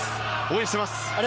応援しています。